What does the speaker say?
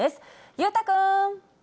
裕太君。